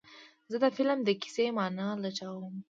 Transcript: زه د فلم د کیسې معنی لټوم.